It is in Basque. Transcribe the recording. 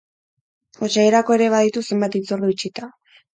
Otsailerako ere baditu zenbait hitzordu itxita.